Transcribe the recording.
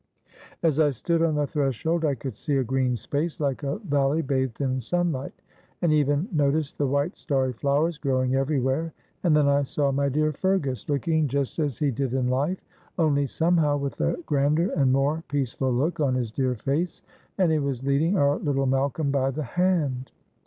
As I stood on the threshold I could see a green space like a valley bathed in sunlight, and I even noticed the white starry flowers growing everywhere, and then I saw my dear Fergus, looking just as he did in life, only somehow with a grander and more peaceful look on his dear face, and he was leading our little Malcolm by the hand.